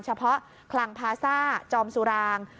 เฉพาะคลังภาษาจอมสุราง